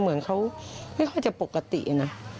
เหมือนเขาไม่ค่อยจะปกตินะ